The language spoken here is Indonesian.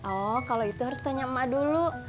oh kalau itu harus tanya emak dulu